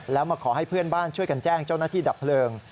แล้วมาขอให้เพื่อนบ้านช่วยกันแจ้งเจ้าหน้าที่ดับเพลิง